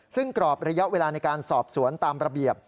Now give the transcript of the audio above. ซึ่งกรอบระยะเวลาในการสอบสวนตามระเบียบ